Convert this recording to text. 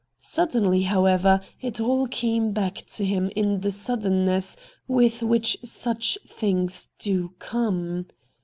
Suddenly, however, it all came back to him in the suddenness with which such things do come.